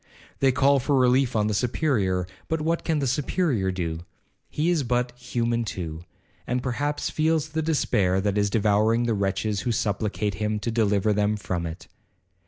They call for relief on the Superior, but what can the Superior do? He is but human too, and perhaps feels the despair that is devouring the wretches who supplicate him to deliver them from it.